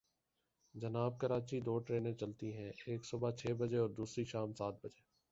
جناب، کراچی دو ٹرینیں چلتی ہیں، ایک صبح چھ بجے اور دوسری شام سات بجے۔